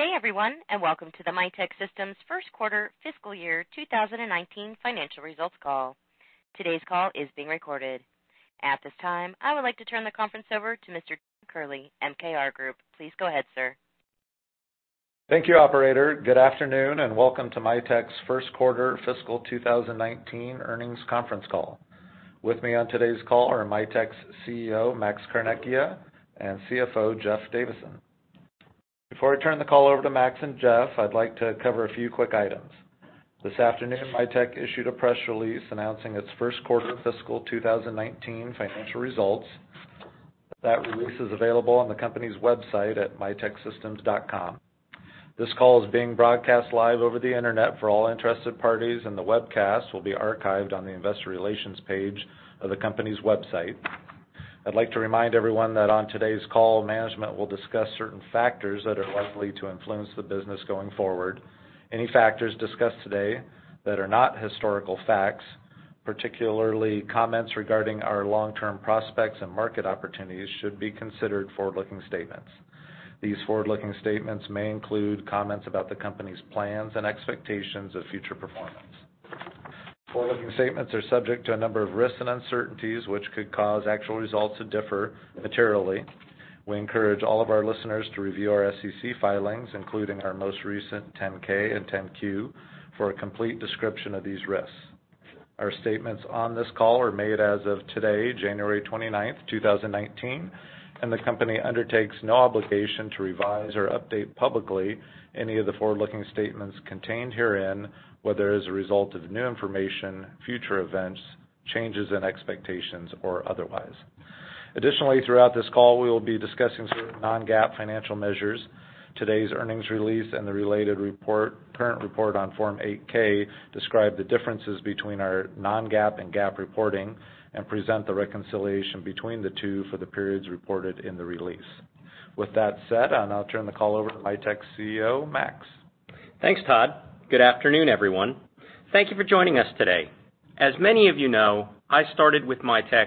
Good day everyone, welcome to the Mitek Systems Q1 fiscal year 2019 financial results call. Today's call is being recorded. At this time, I would like to turn the conference over to Mr. Todd Kehrli, MKR Group. Please go ahead, sir. Thank you, operator. Good afternoon, welcome to Mitek's Q1 fiscal 2019 earnings conference call. With me on today's call are Mitek's CEO, Max Carnecchia, and CFO, Jeff Davison. Before I turn the call over to Max and Jeff, I'd like to cover a few quick items. This afternoon, Mitek issued a press release announcing its Q1 fiscal 2019 financial results. That release is available on the company's website at miteksystems.com. This call is being broadcast live over the internet for all interested parties, the webcast will be archived on the investor relations page of the company's website. I'd like to remind everyone that on today's call, management will discuss certain factors that are likely to influence the business going forward. Any factors discussed today that are not historical facts, particularly comments regarding our long-term prospects and market opportunities, should be considered forward-looking statements. These forward-looking statements may include comments about the company's plans and expectations of future performance. Forward-looking statements are subject to a number of risks and uncertainties, which could cause actual results to differ materially. We encourage all of our listeners to review our SEC filings, including our most recent 10-K and 10-Q, for a complete description of these risks. Our statements on this call are made as of today, January 29th, 2019, the company undertakes no obligation to revise or update publicly any of the forward-looking statements contained herein, whether as a result of new information, future events, changes in expectations, or otherwise. Additionally, throughout this call, we will be discussing certain non-GAAP financial measures. Today's earnings release and the related current report on Form 8-K describe the differences between our non-GAAP and GAAP reporting and present the reconciliation between the two for the periods reported in the release. With that said, I'll now turn the call over to Mitek's CEO, Max. Thanks, Todd. Good afternoon, everyone. Thank you for joining us today. As many of you know, I started with Mitek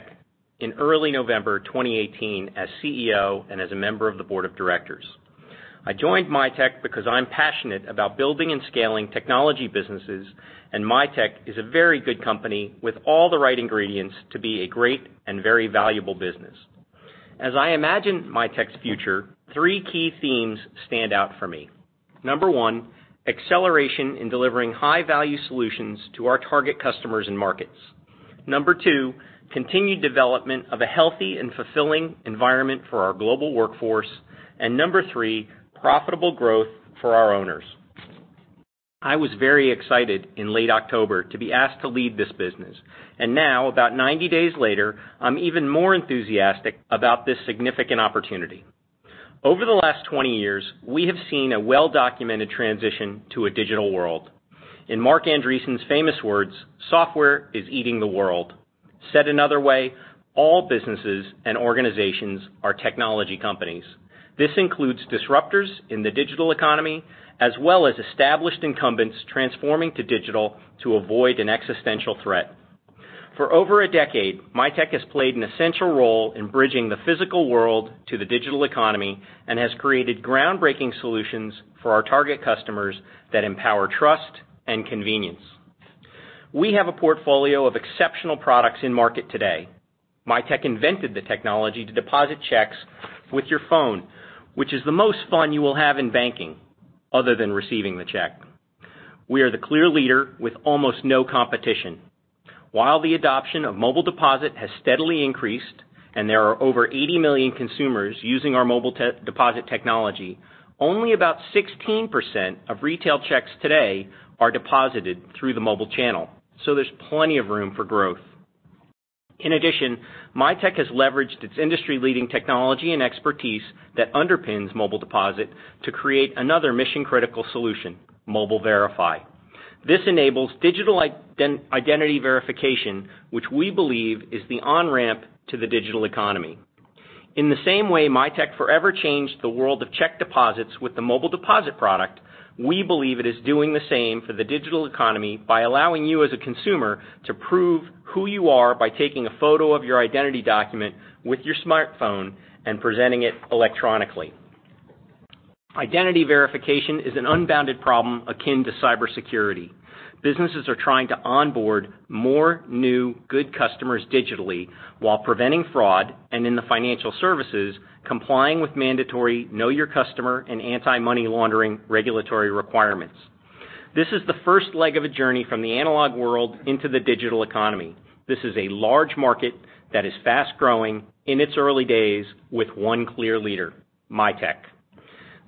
in early November 2018 as CEO and as a member of the board of directors. I joined Mitek because I'm passionate about building and scaling technology businesses, and Mitek is a very good company with all the right ingredients to be a great and very valuable business. As I imagine Mitek's future, three key themes stand out for me. Number one, acceleration in delivering high-value solutions to our target customers and markets. Number two, continued development of a healthy and fulfilling environment for our global workforce. Number three, profitable growth for our owners. I was very excited in late October to be asked to lead this business, and now, about 90 days later, I'm even more enthusiastic about this significant opportunity. Over the last 20 years, we have seen a well-documented transition to a digital world. In Marc Andreessen's famous words, "Software is eating the world." Said another way, all businesses and organizations are technology companies. This includes disruptors in the digital economy, as well as established incumbents transforming to digital to avoid an existential threat. For over a decade, Mitek has played an essential role in bridging the physical world to the digital economy and has created groundbreaking solutions for our target customers that empower trust and convenience. We have a portfolio of exceptional products in market today. Mitek invented the technology to deposit checks with your phone, which is the most fun you will have in banking, other than receiving the check. We are the clear leader with almost no competition. While the adoption of Mobile Deposit has steadily increased and there are over 80 million consumers using our Mobile Deposit technology, only about 16% of retail checks today are deposited through the mobile channel. There's plenty of room for growth. In addition, Mitek has leveraged its industry-leading technology and expertise that underpins Mobile Deposit to create another mission-critical solution: Mobile Verify. This enables digital identity verification, which we believe is the on-ramp to the digital economy. In the same way Mitek forever changed the world of check deposits with the Mobile Deposit product, we believe it is doing the same for the digital economy by allowing you as a consumer to prove who you are by taking a photo of your identity document with your smartphone and presenting it electronically. Identity verification is an unbounded problem akin to cybersecurity. Businesses are trying to onboard more new, good customers digitally while preventing fraud and, in the financial services, complying with mandatory Know Your Customer and anti-money laundering regulatory requirements. This is the first leg of a journey from the analog world into the digital economy. This is a large market that is fast-growing, in its early days, with one clear leader: Mitek.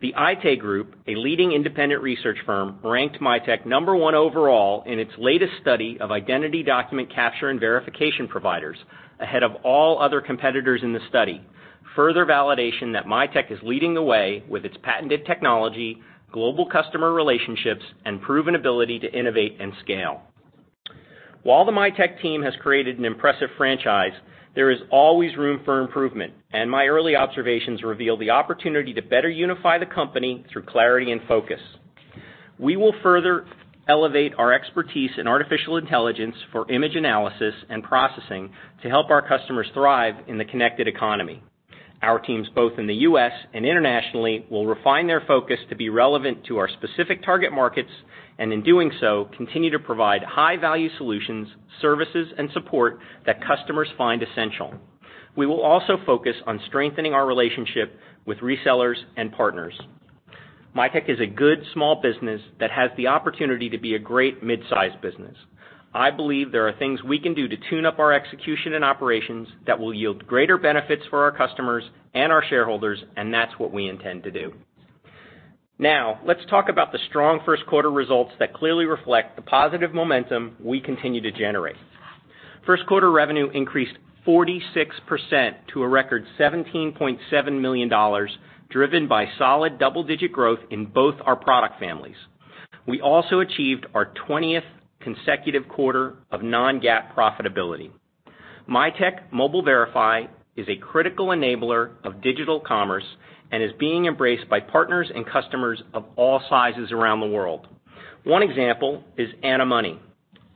The Aite Group, a leading independent research firm, ranked Mitek number one overall in its latest study of identity document capture and verification providers, ahead of all other competitors in the study. Further validation that Mitek is leading the way with its patented technology, global customer relationships, and proven ability to innovate and scale. While the Mitek team has created an impressive franchise, there is always room for improvement, and my early observations reveal the opportunity to better unify the company through clarity and focus. We will further elevate our expertise in artificial intelligence for image analysis and processing to help our customers thrive in the connected economy. Our teams, both in the U.S. and internationally, will refine their focus to be relevant to our specific target markets, and in doing so, continue to provide high-value solutions, services, and support that customers find essential. We will also focus on strengthening our relationship with resellers and partners. Mitek is a good small business that has the opportunity to be a great mid-size business. I believe there are things we can do to tune up our execution and operations that will yield greater benefits for our customers and our shareholders, and that's what we intend to do. Let's talk about the strong Q1 results that clearly reflect the positive momentum we continue to generate. Q1 revenue increased 46% to a record $17.7 million, driven by solid double-digit growth in both our product families. We also achieved our 20th consecutive quarter of non-GAAP profitability. Mitek Mobile Verify is a critical enabler of digital commerce and is being embraced by partners and customers of all sizes around the world. One example is ANNA Money,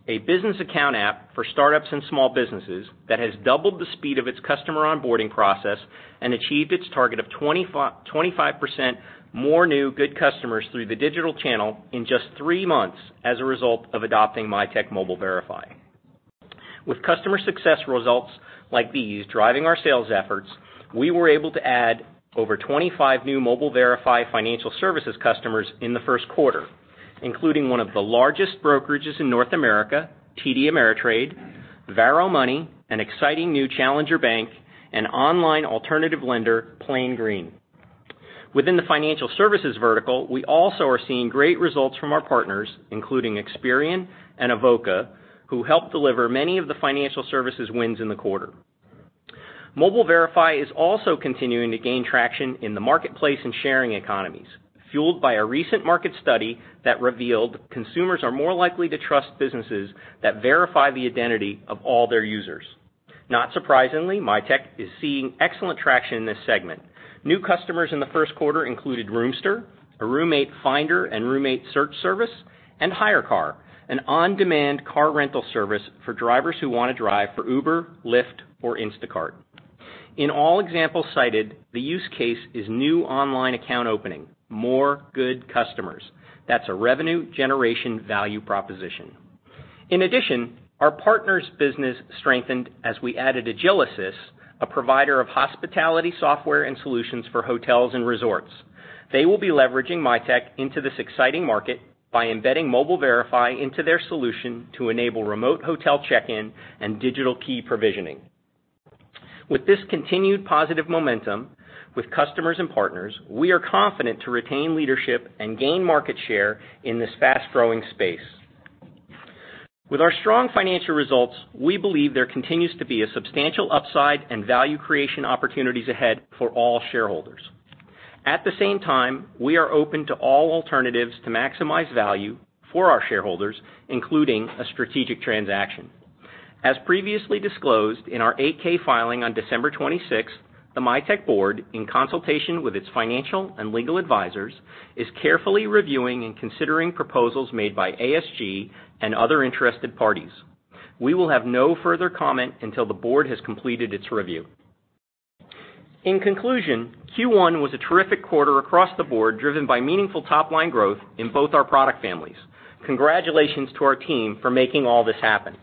a business account app for startups and small businesses that has doubled the speed of its customer onboarding process and achieved its target of 25% more new good customers through the digital channel in just three months as a result of adopting Mitek Mobile Verify. With customer success results like these driving our sales efforts, we were able to add over 25 new Mobile Verify financial services customers in the Q1, including one of the largest brokerages in North America, TD Ameritrade, Varo Money, an exciting new challenger bank, and online alternative lender Plain Green. Within the financial services vertical, we also are seeing great results from our partners, including Experian and Acuant, who helped deliver many of the financial services wins in the quarter. Mobile Verify is also continuing to gain traction in the marketplace and sharing economies, fueled by a recent market study that revealed consumers are more likely to trust businesses that verify the identity of all their users. Not surprisingly, Mitek is seeing excellent traction in this segment. New customers in the Q1 included Roomster, a roommate finder and roommate search service, and HyreCar, an on-demand car rental service for drivers who want to drive for Uber, Lyft or Instacart. In all examples cited, the use case is new online account opening, more good customers. That's a revenue generation value proposition. In addition, our partners' business strengthened as we added Agilysys, a provider of hospitality software and solutions for hotels and resorts. They will be leveraging Mitek into this exciting market by embedding Mobile Verify into their solution to enable remote hotel check-in and digital key provisioning. With this continued positive momentum with customers and partners, we are confident to retain leadership and gain market share in this fast-growing space. With our strong financial results, we believe there continues to be a substantial upside and value creation opportunities ahead for all shareholders. At the same time, we are open to all alternatives to maximize value for our shareholders, including a strategic transaction. As previously disclosed in our 8-K filing on December 26th, the Mitek board, in consultation with its financial and legal advisors, is carefully reviewing and considering proposals made by ASG and other interested parties. We will have no further comment until the board has completed its review. In conclusion, Q1 was a terrific quarter across the board, driven by meaningful top-line growth in both our product families. Congratulations to our team for making all this happen.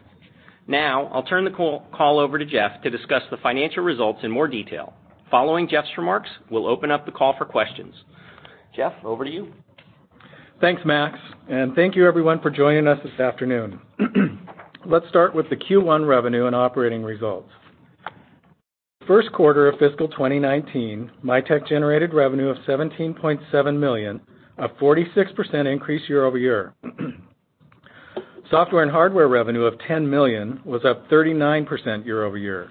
Now, I'll turn the call over to Jeff to discuss the financial results in more detail. Following Jeff's remarks, we'll open up the call for questions. Jeff, over to you. Thanks, Max, thank you everyone for joining us this afternoon. Let's start with the Q1 revenue and operating results. Q1 of fiscal 2019, Mitek generated revenue of $17.7 million, a 46% increase year-over-year. Software and hardware revenue of $10 million was up 39% year-over-year.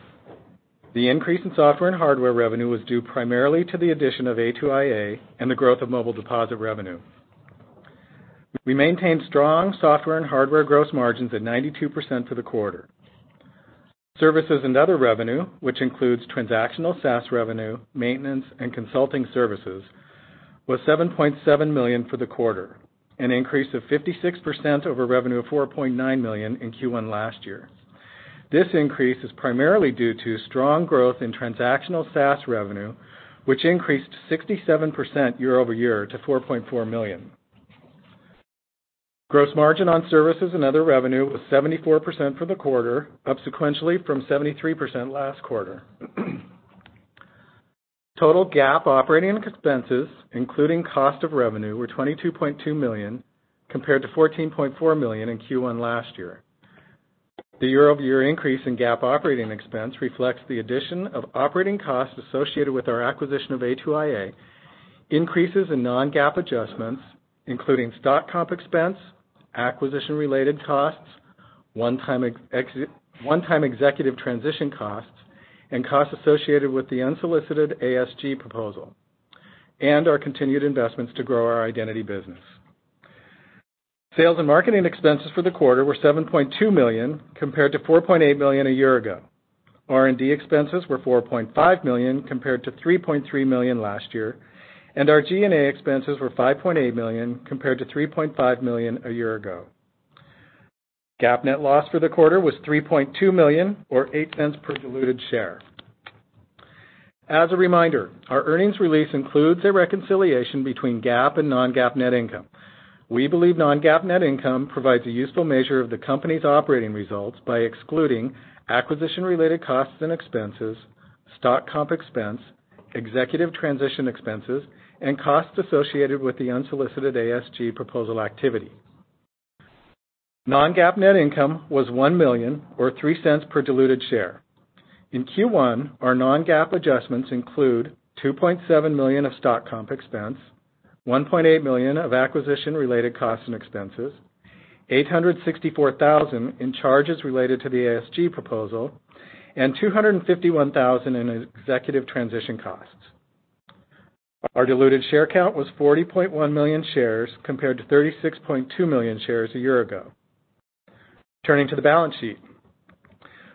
The increase in software and hardware revenue was due primarily to the addition of A2iA and the growth of Mobile Deposit revenue. We maintained strong software and hardware gross margins at 92% for the quarter. Services and other revenue, which includes transactional SaaS revenue, maintenance, and consulting services, was $7.7 million for the quarter, an increase of 56% over revenue of $4.9 million in Q1 last year. This increase is primarily due to strong growth in transactional SaaS revenue, which increased 67% year-over-year to $4.4 million. Gross margin on services and other revenue was 74% for the quarter, up sequentially from 73% last quarter. Total GAAP operating expenses, including cost of revenue, were $22.2 million, compared to $14.4 million in Q1 last year. The year-over-year increase in GAAP operating expense reflects the addition of operating costs associated with our acquisition of A2iA, increases in non-GAAP adjustments, including stock comp expense, acquisition-related costs, one-time executive transition costs, and costs associated with the unsolicited ASG proposal, and our continued investments to grow our identity business. Sales and marketing expenses for the quarter were $7.2 million, compared to $4.8 million a year ago. R&D expenses were $4.5 million compared to $3.3 million last year, our G&A expenses were $5.8 million compared to $3.5 million a year ago. GAAP net loss for the quarter was $3.2 million or $0.08 per diluted share. As a reminder, our earnings release includes a reconciliation between GAAP and non-GAAP net income. We believe non-GAAP net income provides a useful measure of the company's operating results by excluding acquisition-related costs and expenses, stock comp expense, executive transition expenses, and costs associated with the unsolicited ASG proposal activity. Non-GAAP net income was $1 million or $0.03 per diluted share. In Q1, our non-GAAP adjustments include $2.7 million of stock comp expense, $1.8 million of acquisition-related costs and expenses, $864,000 in charges related to the ASG proposal, and $251,000 in executive transition costs. Our diluted share count was 40.1 million shares, compared to 36.2 million shares a year ago. Turning to the balance sheet.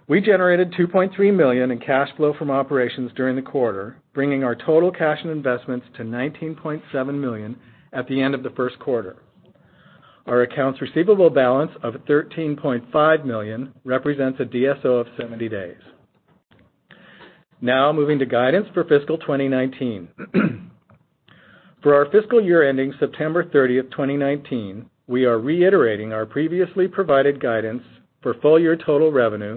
We generated $2.3 million in cash flow from operations during the quarter, bringing our total cash and investments to $19.7 million at the end of the Q1. Our accounts receivable balance of $13.5 million represents a DSO of 70 days. Moving to guidance for fiscal 2019. For our fiscal year ending September 30th, 2019, we are reiterating our previously provided guidance for full-year total revenue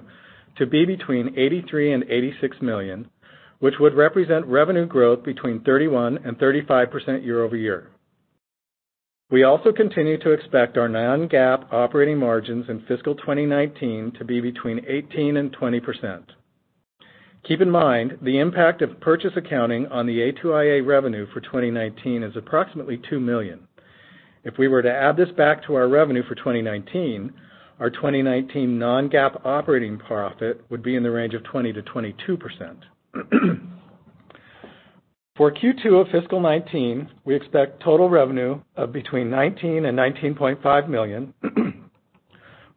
to be between $83 million and $86 million, which would represent revenue growth between 31% and 35% year-over-year. We also continue to expect our non-GAAP operating margins in fiscal 2019 to be between 18% and 20%. Keep in mind, the impact of purchase accounting on the A2iA revenue for 2019 is approximately $2 million. If we were to add this back to our revenue for 2019, our 2019 non-GAAP operating profit would be in the range of 20%-22%. For Q2 of fiscal 2019, we expect total revenue of between $19 million and $19.5 million,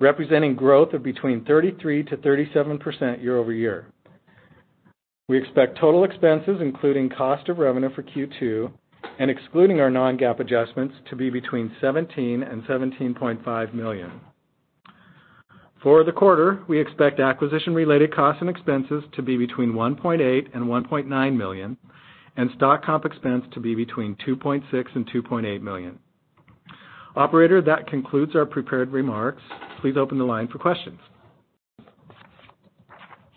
representing growth of between 33%-37% year-over-year. We expect total expenses, including cost of revenue for Q2 and excluding our non-GAAP adjustments to be between $17 million and $17.5 million. For the quarter, we expect acquisition-related costs and expenses to be between $1.8 million and $1.9 million, and stock comp expense to be between $2.6 million and $2.8 million. Operator, that concludes our prepared remarks. Please open the line for questions.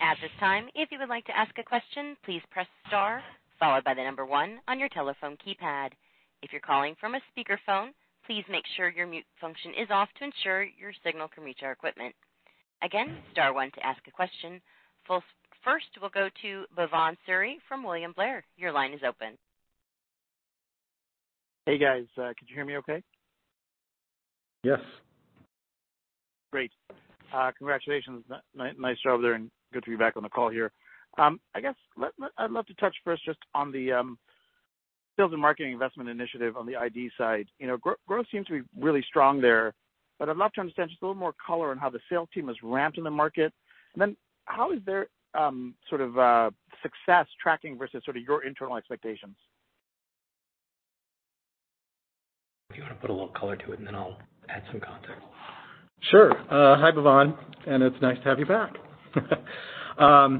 At this time, if you would like to ask a question, please press star followed by the number 1 on your telephone keypad. If you're calling from a speakerphone, please make sure your mute function is off to ensure your signal can reach our equipment. Again, star one to ask a question. First, we'll go to Bhavan Suri from William Blair. Your line is open. Hey, guys. Can you hear me okay? Yes. Great. Congratulations. Nice job there, good to be back on the call here. I guess I'd love to touch first just on the sales and marketing investment initiative on the ID side. Growth seems to be really strong there, I'd love to understand just a little more color on how the sales team has ramped in the market. How is their success tracking versus your internal expectations? If you want to put a little color to it, I'll add some context. Sure. Hi, Bhavan, it's nice to have you back. As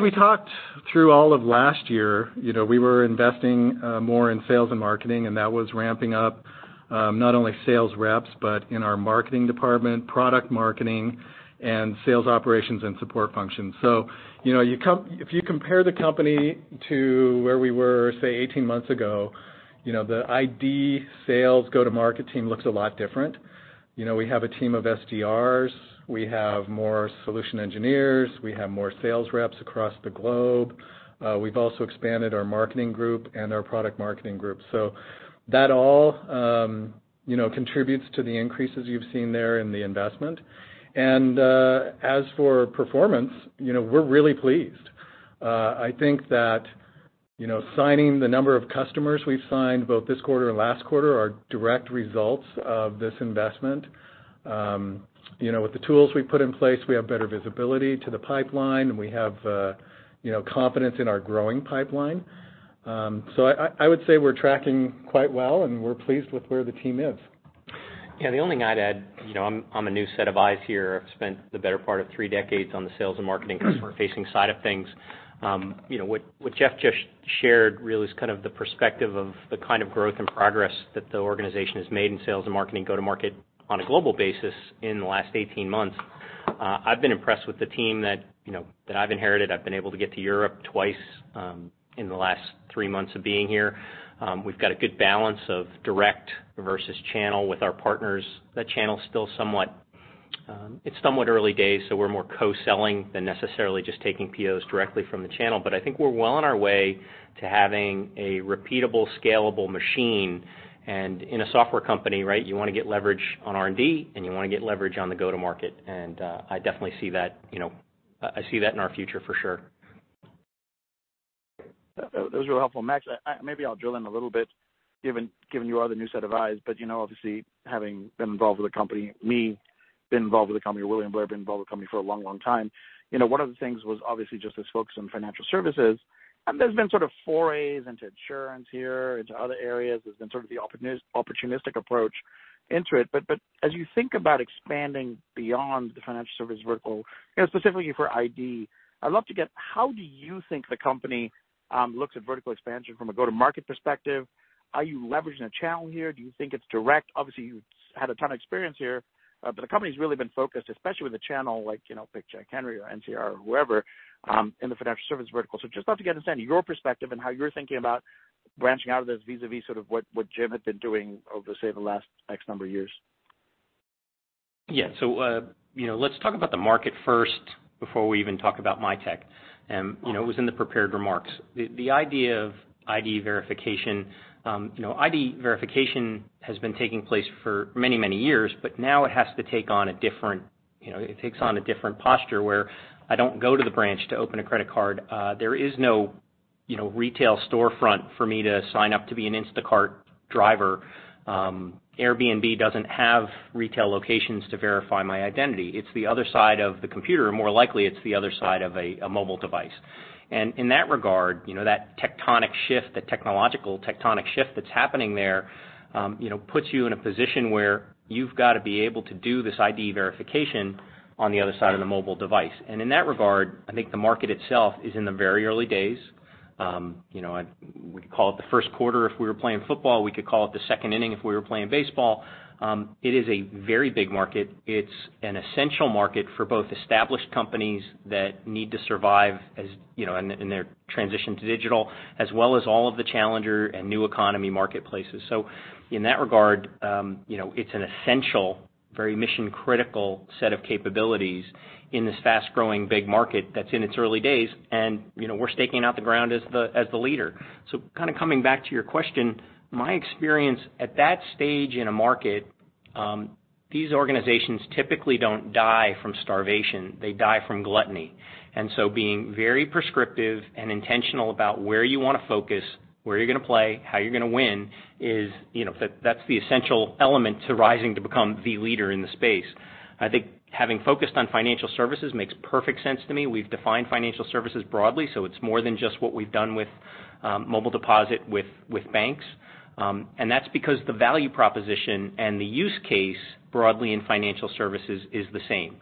we talked through all of last year, we were investing more in sales and marketing, that was ramping up, not only sales reps, but in our marketing department, product marketing, and sales operations and support functions. If you compare the company to where we were, say, 18 months ago, the ID sales go-to-market team looks a lot different. We have a team of SDRs. We have more solution engineers. We have more sales reps across the globe. We've also expanded our marketing group and our product marketing group. That all contributes to the increases you've seen there in the investment. As for performance, we're really pleased. I think that signing the number of customers we've signed both this quarter and last quarter are direct results of this investment. With the tools we've put in place, we have better visibility to the pipeline, we have confidence in our growing pipeline. I would say we're tracking quite well, we're pleased with where the team is. The only thing I'd add, I'm a new set of eyes here. I've spent the better part of three decades on the sales and marketing customer-facing side of things. What Jeff just shared really is the perspective of the kind of growth and progress that the organization has made in sales and marketing go-to-market on a global basis in the last 18 months. I've been impressed with the team that I've inherited. I've been able to get to Europe twice in the last three months of being here. We've got a good balance of direct versus channel with our partners. That channel is still somewhat early days, we're more co-selling than necessarily just taking POs directly from the channel. I think we're well on our way to having a repeatable, scalable machine. In a software company, you want to get leverage on R&D, and you want to get leverage on the go-to-market. I definitely see that in our future for sure. That was really helpful. Max, maybe I'll drill in a little bit given your other new set of eyes, obviously having been involved with the company, me been involved with the company, William Blair been involved with the company for a long time, one of the things was obviously just this focus on financial services, and there's been sort of forays into insurance here, into other areas. There's been sort of the opportunistic approach into it. As you think about expanding beyond the financial services vertical, specifically for ID, I'd love to get how do you think the company looks at vertical expansion from a go-to-market perspective? Are you leveraging a channel here? Do you think it's direct? Obviously, you've had a ton of experience here, the company's really been focused, especially with the channel, like, Jack Henry or NCR or whoever, in the financial service vertical. Just love to get understanding your perspective and how you're thinking about branching out of this vis-a-vis sort of what Jim had been doing over, say, the last X number of years. Yeah. Let's talk about the market first before we even talk about Mitek. It was in the prepared remarks. The idea of ID verification. ID verification has been taking place for many years, but now it takes on a different posture where I don't go to the branch to open a credit card. There is no retail storefront for me to sign up to be an Instacart driver. Airbnb doesn't have retail locations to verify my identity. It's the other side of the computer. More likely, it's the other side of a mobile device. In that regard, that technological tectonic shift that's happening there puts you in a position where you've got to be able to do this ID verification on the other side of the mobile device. In that regard, I think the market itself is in the very early days. I would call it the Q1, if we were playing football, we could call it the second inning, if we were playing baseball. It is a very big market. It's an essential market for both established companies that need to survive in their transition to digital, as well as all of the challenger and new economy marketplaces. In that regard, it's an essential, very mission-critical set of capabilities in this fast-growing, big market that's in its early days, and we're staking out the ground as the leader. Coming back to your question, my experience at that stage in a market, these organizations typically don't die from starvation. They die from gluttony. Being very prescriptive and intentional about where you want to focus, where you're going to play, how you're going to win is, that's the essential element to rising to become the leader in the space. I think having focused on financial services makes perfect sense to me. We've defined financial services broadly, so it's more than just what we've done with Mobile Deposit with banks. That's because the value proposition and the use case broadly in financial services is the same.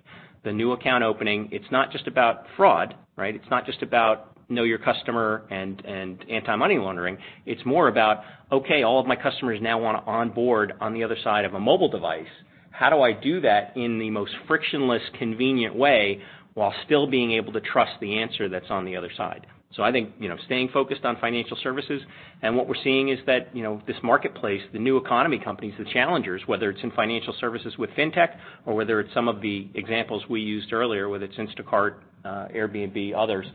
The new account opening, it's not just about fraud, right? It's not just about Know Your Customer and anti-money laundering. It's more about, okay, all of my customers now want to onboard on the other side of a mobile device. How do I do that in the most frictionless, convenient way while still being able to trust the answer that's on the other side? I think, staying focused on financial services and what we're seeing is that, this marketplace, the new economy companies, the challengers, whether it's in financial services with fintech or whether it's some of the examples we used earlier, whether it's Instacart, Airbnb, others,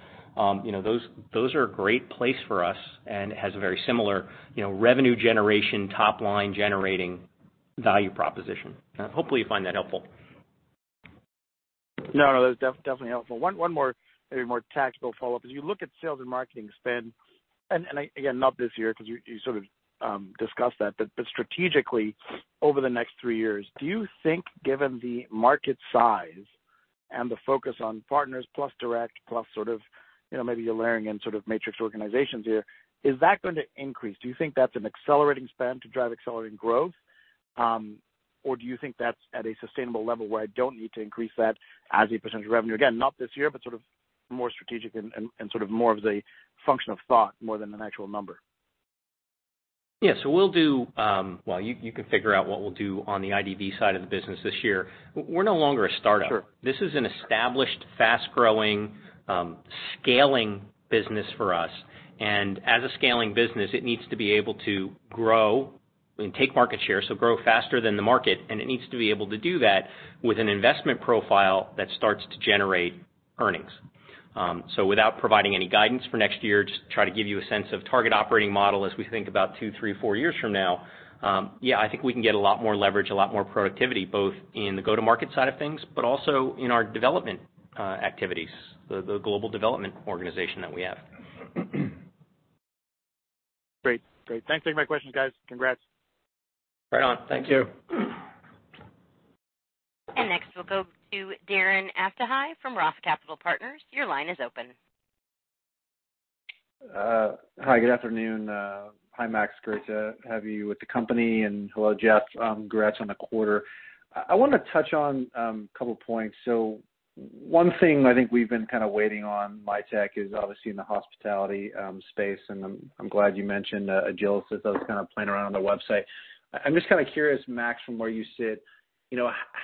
those are a great place for us and has a very similar revenue generation, top-line generating value proposition. Hopefully, you find that helpful. No, that was definitely helpful. One more, maybe more tactical follow-up. As you look at sales and marketing spend, and again, not this year because you sort of discussed that, but strategically over the next 3 years, do you think, given the market size and the focus on partners plus direct plus maybe you're layering in sort of matrix organizations here, is that going to increase? Do you think that's an accelerating spend to drive accelerating growth? Or do you think that's at a sustainable level where I don't need to increase that as a percentage of revenue? Again, not this year, but sort of more strategic and sort of more of the function of thought more than an actual number. Well, you can figure out what we'll do on the IDV side of the business this year. We're no longer a startup. Sure. This is an established, fast-growing, scaling business for us. As a scaling business, it needs to be able to grow and take market share, so grow faster than the market, and it needs to be able to do that with an investment profile that starts to generate earnings. Without providing any guidance for next year, just try to give you a sense of target operating model as we think about two, three, four years from now. I think we can get a lot more leverage, a lot more productivity, both in the go-to-market side of things, but also in our development activities, the global development organization that we have. Great. Thanks for taking my questions, guys. Congrats. Right on. Thank you. Next, we'll go to Darren Aftahi from Roth Capital Partners. Your line is open. Hi, good afternoon. Hi, Max. Great to have you with the company, and hello, Jeff. Congrats on the quarter. I want to touch on a couple of points. One thing I think we've been kind of waiting on Mitek is obviously in the hospitality space, and I'm glad you mentioned Agilysys. I was kind of playing around on the website. I'm just kind of curious, Max, from where you sit,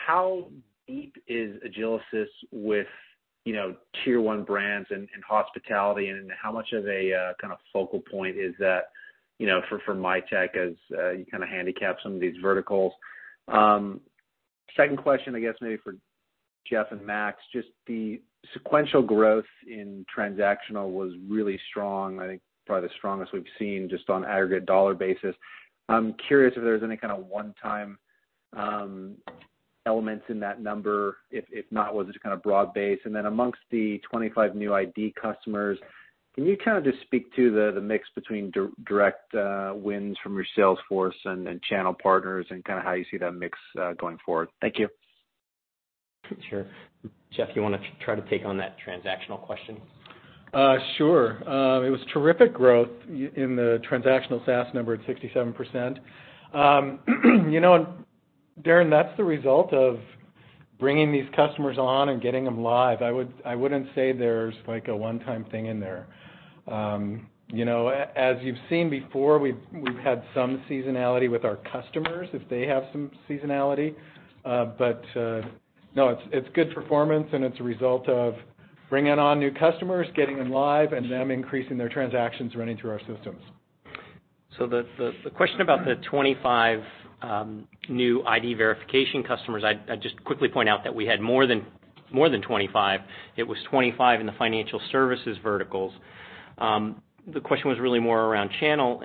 how deep is Agilysys with tier 1 brands and hospitality, and how much of a focal point is that for Mitek as you kind of handicap some of these verticals? Second question, I guess maybe for Jeff and Max, just the sequential growth in transactional was really strong. I think probably the strongest we've seen just on aggregate dollar basis. I'm curious if there's any kind of one-time elements in that number? If not, was it just kind of broad-based? Amongst the 25 new ID customers, can you just speak to the mix between direct wins from your sales force and then channel partners, and how you see that mix going forward? Thank you. Sure. Jeff, you want to try to take on that transactional question? Sure. It was terrific growth in the transactional SaaS number at 67%. Darren, that's the result of bringing these customers on and getting them live. I wouldn't say there's like a one-time thing in there. As you've seen before, we've had some seasonality with our customers if they have some seasonality. No, it's good performance and it's a result of bringing on new customers, getting them live, and them increasing their transactions running through our systems. The question about the 25 new ID verification customers, I'd just quickly point out that we had more than 25. It was 25 in the financial services verticals. The question was really more around channel,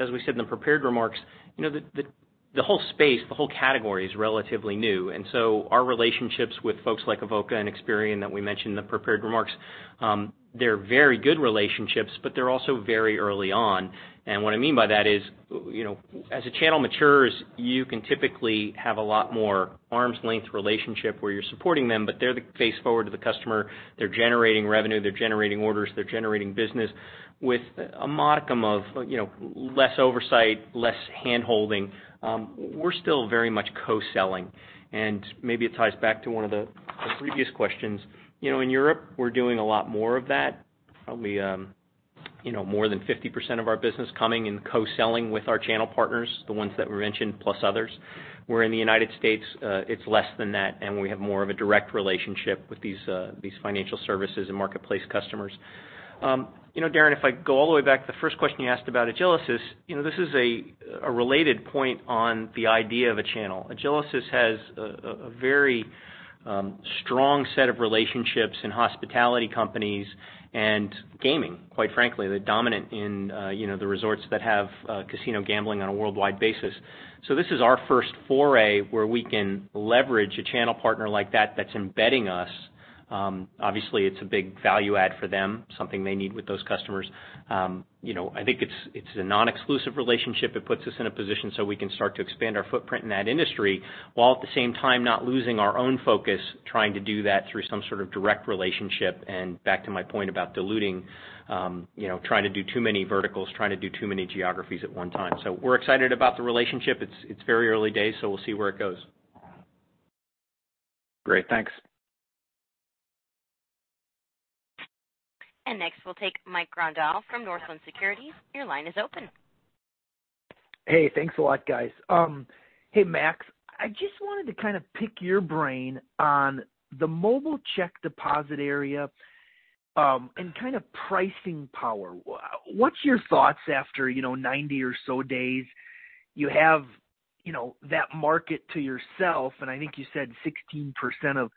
as we said in the prepared remarks, the whole space, the whole category is relatively new. Our relationships with folks like Iovation and Experian that we mentioned in the prepared remarks, they're very good relationships, they're also very early on. What I mean by that is, as a channel matures, you can typically have a lot more arm's length relationship where you're supporting them, they're the face forward to the customer. They're generating revenue, they're generating orders, they're generating business with a modicum of less oversight, less handholding. We're still very much co-selling, maybe it ties back to one of the previous questions. In Europe, we're doing a lot more of that. Probably more than 50% of our business coming and co-selling with our channel partners, the ones that were mentioned plus others. In the U.S., it's less than that, and we have more of a direct relationship with these financial services and marketplace customers. Darren, if I go all the way back to the first question you asked about Agilysys, this is a related point on the idea of a channel. Agilysys has a very strong set of relationships in hospitality companies and gaming, quite frankly. They're dominant in the resorts that have casino gambling on a worldwide basis. This is our first foray where we can leverage a channel partner like that's embedding us. Obviously, it's a big value add for them, something they need with those customers. I think it's a non-exclusive relationship. It puts us in a position so we can start to expand our footprint in that industry, while at the same time not losing our own focus, trying to do that through some sort of direct relationship. Back to my point about diluting, trying to do too many verticals, trying to do too many geographies at one time. We're excited about the relationship. It's very early days, we'll see where it goes. Great. Thanks. Next, we'll take Mike Grondahl from Northland Securities. Your line is open. Hey, thanks a lot, guys. Hey, Max, I just wanted to kind of pick your brain on the Mobile Deposit area and kind of pricing power. What are your thoughts after 90 or so days? You have that market to yourself, and I think you said 16% of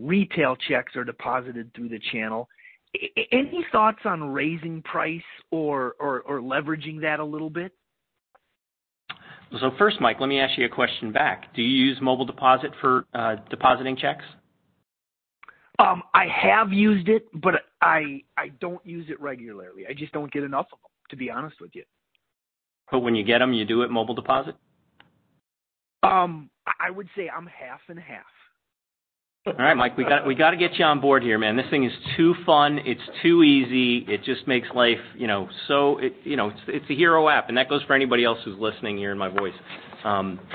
retail checks are deposited through the channel. Any thoughts on raising price or leveraging that a little bit? First, Mike, let me ask you a question back. Do you use Mobile Deposit for depositing checks? I have used it, I don't use it regularly. I just don't get enough of them, to be honest with you. When you get them, you do it Mobile Deposit? I would say I'm half and half. All right, Mike, we got to get you on board here, man. This thing is too fun. It's too easy. It's a hero app, and that goes for anybody else who's listening hearing my voice.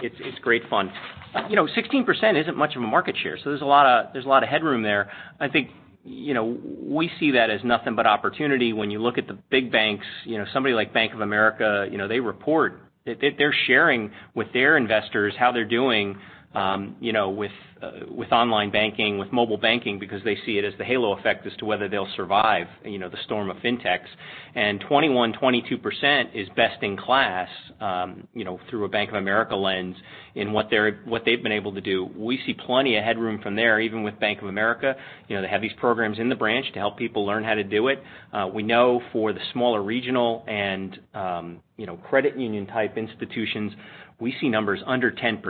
It's great fun. 16% isn't much of a market share, so there's a lot of headroom there. I think we see that as nothing but opportunity when you look at the big banks. Somebody like Bank of America, they report that they're sharing with their investors how they're doing with online banking, with mobile banking because they see it as the halo effect as to whether they'll survive the storm of fintechs. 21, 22% is best in class through a Bank of America lens in what they've been able to do. We see plenty of headroom from there, even with Bank of America. They have these programs in the branch to help people learn how to do it. We know for the smaller regional and credit union type institutions, we see numbers under 10%.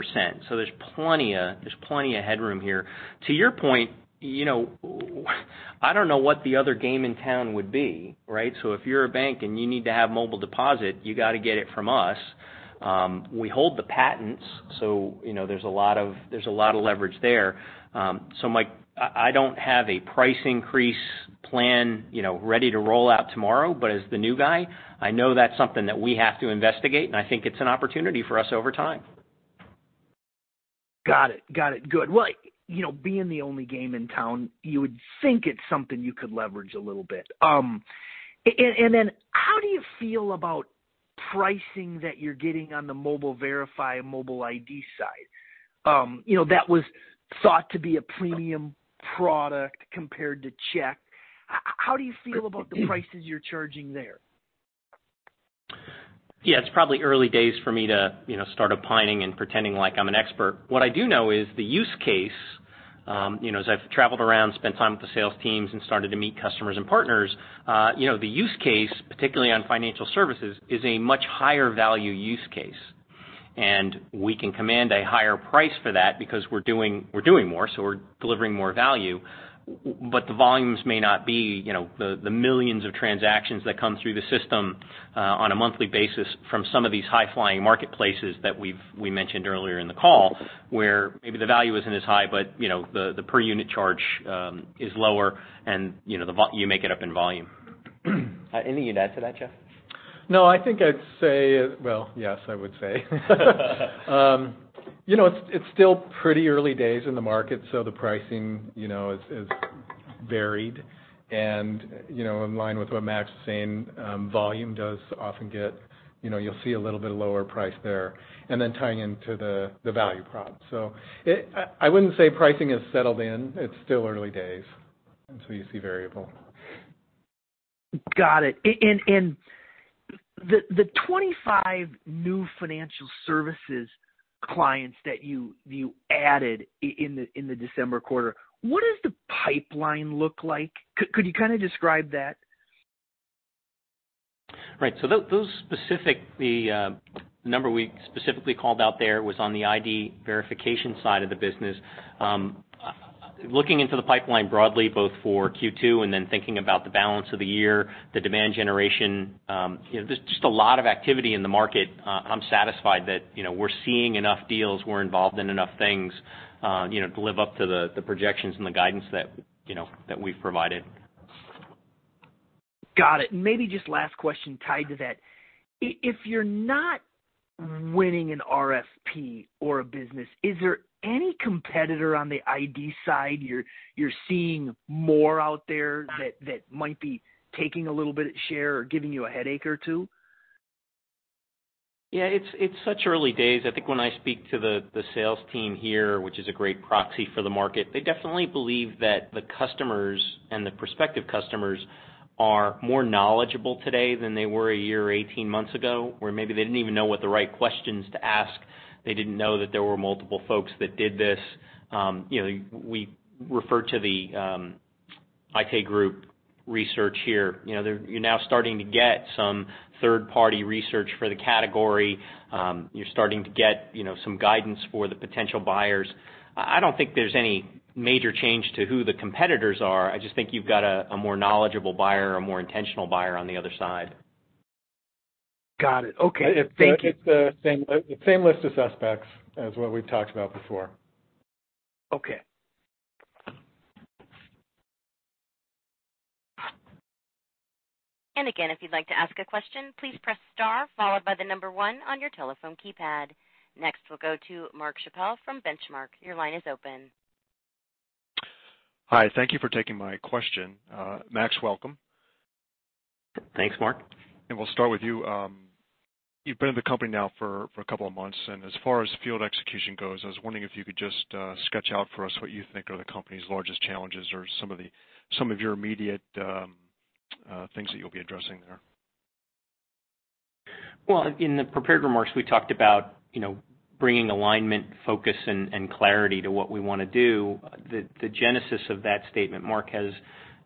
There's plenty of headroom here. To your point, I don't know what the other game in town would be, right? If you're a bank and you need to have Mobile Deposit, you got to get it from us. We hold the patents, so there's a lot of leverage there. Mike, I don't have a price increase plan ready to roll out tomorrow, but as the new guy, I know that's something that we have to investigate, and I think it's an opportunity for us over time. Got it. Good. Well, being the only game in town, you would think it's something you could leverage a little bit. Then how do you feel about pricing that you're getting on the Mobile Verify and Mobile ID side? That was thought to be a premium product compared to check. How do you feel about the prices you're charging there? Yeah, it's probably early days for me to start opining and pretending like I'm an expert. What I do know is the use case. As I've traveled around, spent time with the sales teams, and started to meet customers and partners, the use case, particularly on financial services, is a much higher value use case. We can command a higher price for that because we're doing more, so we're delivering more value. The volumes may not be the millions of transactions that come through the system on a monthly basis from some of these high-flying marketplaces that we mentioned earlier in the call, where maybe the value isn't as high, but the per unit charge is lower and you make it up in volume. Anything you'd add to that, Jeff? I think I'd say. Well, yes, I would say. It's still pretty early days in the market, so the pricing is varied and in line with what Max is saying, volume does often get You'll see a little bit lower price there, and then tying into the value prop. I wouldn't say pricing has settled in. It's still early days. You see variable. Got it. The 25 new financial services clients that you added in the December quarter, what does the pipeline look like? Could you describe that? Right. The number we specifically called out there was on the ID verification side of the business. Looking into the pipeline broadly, both for Q2 and thinking about the balance of the year, the demand generation, there is just a lot of activity in the market. I am satisfied that we are seeing enough deals, we are involved in enough things to live up to the projections and the guidance that we have provided. Got it. Maybe just last question tied to that. If you are not winning an RFP or a business, is there any competitor on the ID side you are seeing more out there that might be taking a little bit of share or giving you a headache or two? Yeah, it is such early days. I think when I speak to the sales team here, which is a great proxy for the market, they definitely believe that the customers and the prospective customers are more knowledgeable today than they were a year or 18 months ago, where maybe they did not even know what the right questions to ask. They did not know that there were multiple folks that did this. We refer to the Aite Group research here. You are now starting to get some third-party research for the category. You are starting to get some guidance for the potential buyers. I do not think there is any major change to who the competitors are. I just think you have got a more knowledgeable buyer, a more intentional buyer on the other side. Got it. Okay. Thank you. It's the same list of suspects as what we've talked about before. Okay. Again, if you'd like to ask a question, please press star, followed by the number one on your telephone keypad. Next, we'll go to Mark Schappel from Benchmark. Your line is open. Hi. Thank you for taking my question. Max, welcome. Thanks, Mark. We'll start with you. You've been in the company now for a couple of months, and as far as field execution goes, I was wondering if you could just sketch out for us what you think are the company's largest challenges or some of your immediate things that you'll be addressing there. Well, in the prepared remarks, we talked about bringing alignment, focus, and clarity to what we want to do. The genesis of that statement, Mark, has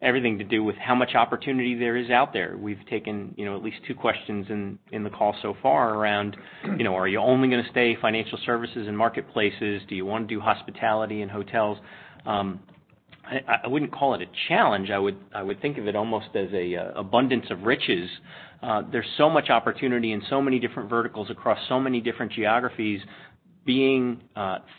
everything to do with how much opportunity there is out there. We've taken at least two questions in the call so far around, are you only going to stay financial services and marketplaces? Do you want to do hospitality and hotels? I wouldn't call it a challenge. I would think of it almost as an abundance of riches. There's so much opportunity in so many different verticals across so many different geographies. Being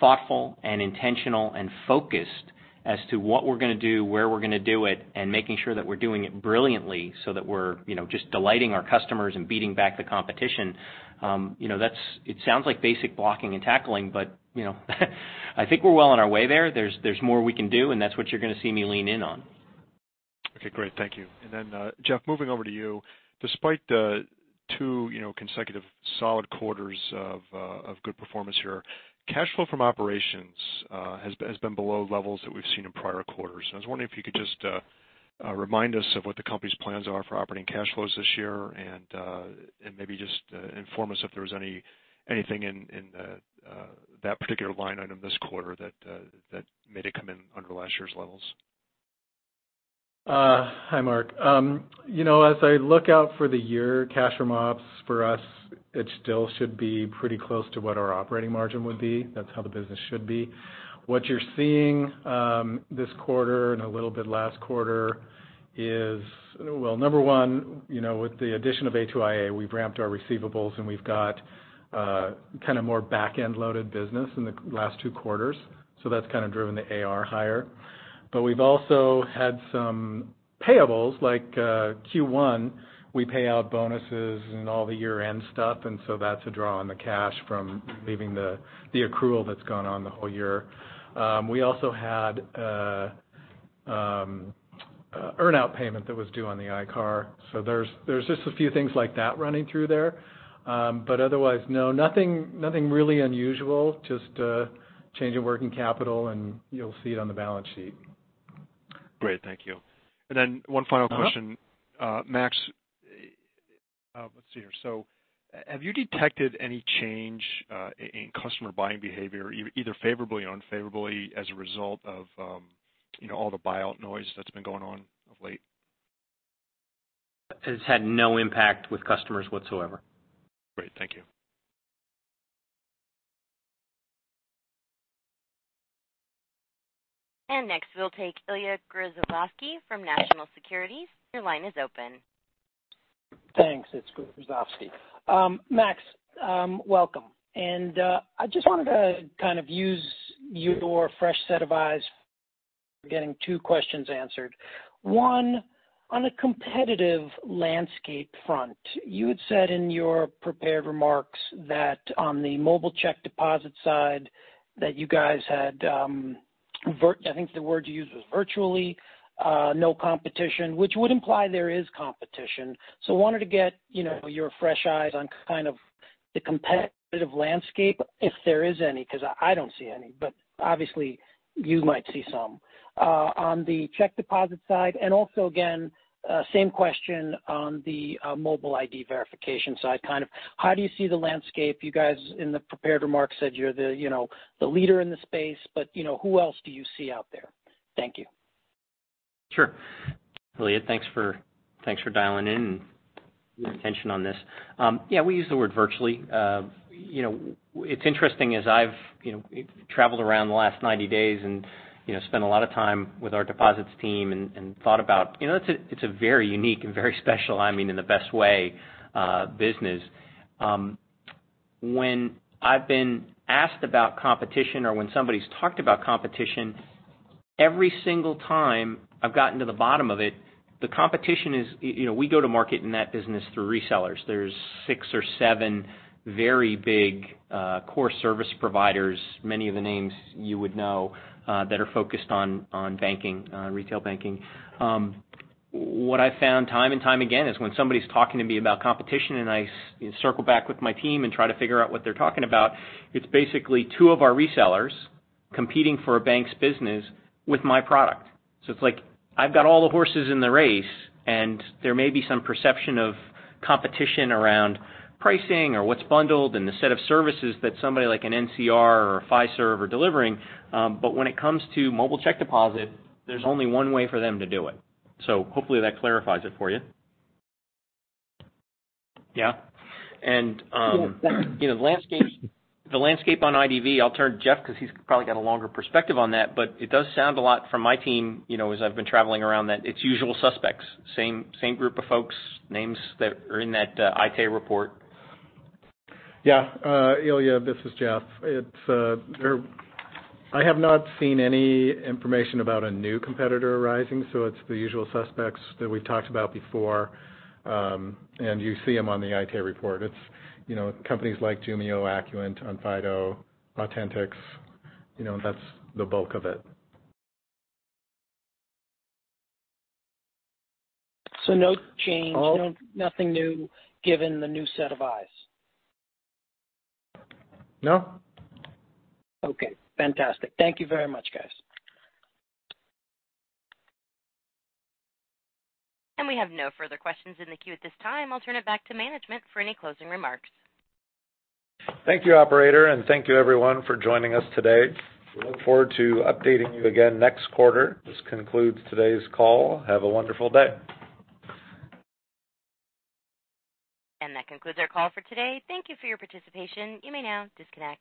thoughtful and intentional and focused as to what we're going to do, where we're going to do it, and making sure that we're doing it brilliantly so that we're just delighting our customers and beating back the competition. It sounds like basic blocking and tackling, I think we're well on our way there. There's more we can do, and that's what you're going to see me lean in on. Okay, great. Thank you. Then Jeff, moving over to you. Despite the two consecutive solid quarters of good performance here, cash flow from operations has been below levels that we've seen in prior quarters. I was wondering if you could just remind us of what the company's plans are for operating cash flows this year, and maybe just inform us if there was anything in that particular line item this quarter that made it come in under last year's levels. Hi, Mark Schappel. As I look out for the year, cash from ops for us, it still should be pretty close to what our operating margin would be. That's how the business should be. What you're seeing this quarter and a little bit last quarter is, well, number 1, with the addition of A2iA, we've ramped our receivables, and we've got more backend-loaded business in the last two quarters. That's driven the AR higher. We've also had some payables, like Q1, we pay out bonuses and all the year-end stuff, that's a draw on the cash from leaving the accrual that's gone on the whole year. We also had an earn-out payment that was due on the ICAR. There's just a few things like that running through there. Otherwise, no, nothing really unusual, just a change in working capital, and you'll see it on the balance sheet. Great. Thank you. One final question. Max, have you detected any change in customer buying behavior, either favorably or unfavorably, as a result of all the buyout noise that's been going on of late? It's had no impact with customers whatsoever. Great. Thank you. Next, we'll take Ilya Grozovsky from National Securities. Your line is open. Thanks. It's Grozovsky. Max, welcome. I just wanted to kind of use your fresh set of eyes for getting two questions answered. One, on a competitive landscape front, you had said in your prepared remarks that on the mobile check deposit side that you guys had, I think the word you used was virtually no competition, which would imply there is competition. I wanted to get your fresh eyes on kind of the competitive landscape, if there is any, because I don't see any, but obviously you might see some. On the check deposit side, and also again, same question on the mobile ID verification side. How do you see the landscape? You guys in the prepared remarks said you're the leader in the space, but who else do you see out there? Thank you. Sure. Ilya, thanks for dialing in and your attention on this. Yeah, we use the word virtually. It's interesting, as I've traveled around the last 90 days and spent a lot of time with our deposits team and it's a very unique and very special, I mean, in the best way, business. When I've been asked about competition or when somebody's talked about competition, every single time I've gotten to the bottom of it, the competition is we go to market in that business through resellers. There's six or seven very big core service providers, many of the names you would know, that are focused on retail banking. What I've found time and time again is when somebody's talking to me about competition and I circle back with my team and try to figure out what they're talking about, it's basically two of our resellers competing for a bank's business with my product. It's like I've got all the horses in the race, and there may be some perception of competition around pricing or what's bundled and the set of services that somebody like an NCR or a Fiserv are delivering. When it comes to Mobile Deposit, there's only one way for them to do it. Hopefully that clarifies it for you. Yeah. Yeah. The landscape on IDV, I'll turn Jeff because he's probably got a longer perspective on that. It does sound a lot from my team, as I've been traveling around, that it's usual suspects. Same group of folks, names that are in that Aite report. Yeah. Ilya, this is Jeff. I have not seen any information about a new competitor arising, it's the usual suspects that we've talked about before, and you see them on the Aite report. It's companies like Jumio, Acuant, Onfido, AU10TIX. That's the bulk of it. No change. All- Nothing new given the new set of eyes? No. Okay, fantastic. Thank you very much, guys. We have no further questions in the queue at this time. I'll turn it back to management for any closing remarks. Thank you, operator, and thank you everyone for joining us today. We look forward to updating you again next quarter. This concludes today's call. Have a wonderful day. That concludes our call for today. Thank you for your participation. You may now disconnect.